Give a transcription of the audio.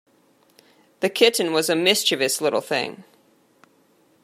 The kitten was a mischievous little thing.